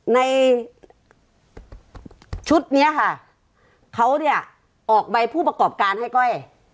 ในชุดนี้ค่ะเขาเนี่ยออกใบผู้ประกอบการให้ก้อย